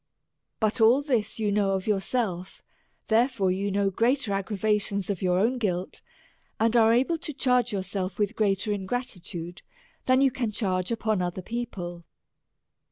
Kut all this you know of yourself; therefore you know greater aggrava tions of your own guilt, and are able to charge your self with greater ingratitude than you can charge upon other people.